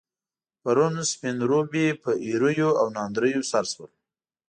پرون، سپين روبي په ايريو او ناندريو سر شول.